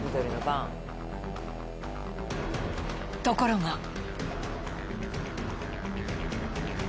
ところが。